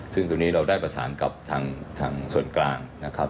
ซึ่งตรงนี้เราได้ประสานกับทางส่วนกลางนะครับ